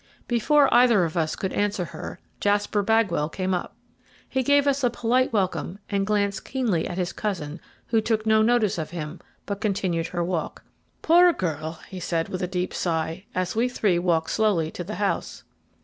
Before either of us could answer her, Jasper Bagwell came up. He gave us a polite welcome, and glanced keenly at his cousin, who took no notice of him, but continued her walk. "Poor girl!" he said with a deep sigh, as we three walked slowly to the house.